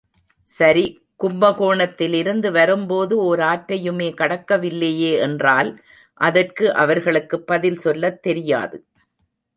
சரி, கும்பகோணத்திலிருந்து வரும்போது ஓர் ஆற்றையுமே கடக்கவில்லையே என்றால், அதற்கு அவர்களுக்குப் பதில் சொல்லத் தெரியாது.